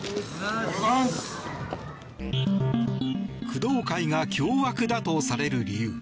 工藤会が凶悪だとされる理由。